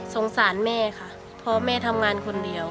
สารแม่ค่ะเพราะแม่ทำงานคนเดียว